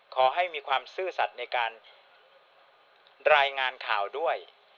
ขอให้มีความซื่อสัตว์ในการรายงานข่าวด้วย